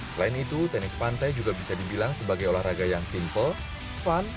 selain itu tenis pantai juga bisa dibilang sebagai olahraga yang simple fun